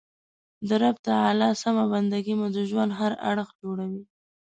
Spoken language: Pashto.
د رب تعالی سمه بنده ګي مو د ژوند هر اړخ جوړوي.